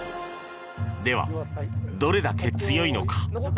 では、どれだけ強いのか。